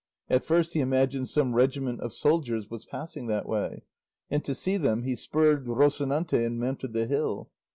At first he imagined some regiment of soldiers was passing that way, and to see them he spurred Rocinante and mounted the hill.